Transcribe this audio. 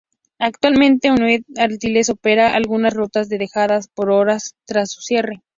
Actualmente, United Airlines opera algunas rutas dejadas por Aloha tras su cierre.